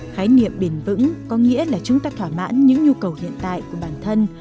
khái niệm bền vững có nghĩa là chúng ta thỏa mãn những nhu cầu hiện tại của bản thân